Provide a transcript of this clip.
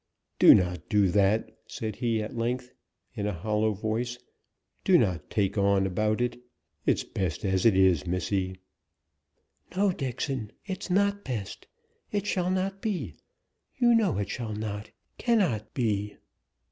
"Dunnot do that," said he, at length, in a hollow voice. "Dunnot take on about it; it's best as it is, missy." "No, Dixon, it's not best. It shall not be. You know it shall not cannot be."